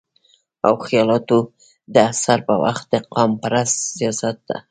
او خياالتو د اثر پۀ وجه د قامپرست سياست نه